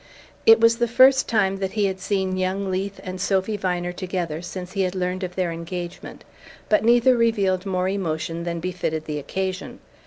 It was the first time that he had seen young Leath and Sophy Viner together since he had learned of their engagement; but neither revealed more emotion than befitted the occasion.